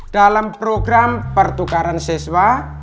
dalam program pertukaran seswa